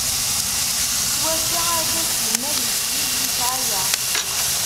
Swakka, argaz simmal ittzid di ssɛaya.